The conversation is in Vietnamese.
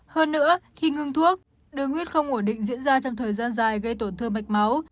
hơn nữa khi ngưng thuốc đường huyết không ổn định diễn ra trong thời gian dài gây tổn thương mạch máu